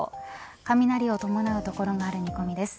雷を伴う所がある見込みです。